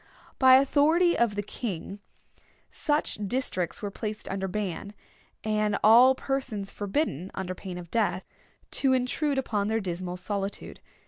By authority of the king such districts were placed under ban, and all persons forbidden, under pain of death, to intrude upon their dismal solitude.